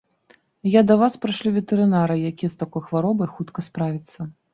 Я да вас прышлю ветэрынара, які з такой хваробай хутка справіцца.